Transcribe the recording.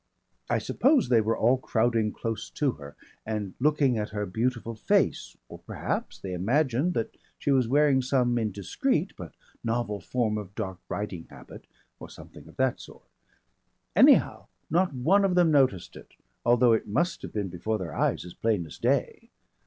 I suppose they were all crowding close to her and looking at her beautiful face, or perhaps they imagined that she was wearing some indiscreet but novel form of dark riding habit or something of that sort. Anyhow not one of them noticed it, although it must have been before their eyes as plain as day.